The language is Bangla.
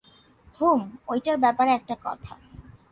হুম ঐটার ব্যাপারে একটা কথা।